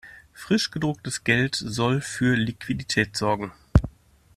Frisch gedrucktes Geld soll für Liquidität sorgen.